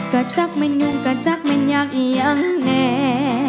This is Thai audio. กระจักมันยุ่งกระจักมันหยากอย่างแน่